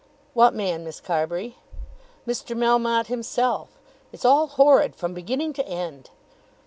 "What man, Miss Carbury?" "Mr. Melmotte himself. It's all horrid from beginning to end."